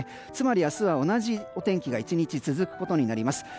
つまり、明日は同じお天気が１日続くことになります。